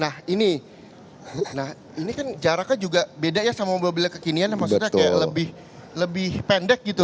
nah ini ini kan jaraknya juga beda ya sama mobil mobil kekinian ya maksudnya kayak lebih pendek gitu loh